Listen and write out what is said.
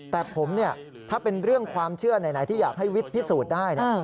แต่ผมเนี่ยถ้าเป็นเรื่องความเชื่อไหนที่อยากให้วิทย์พิสูจน์ได้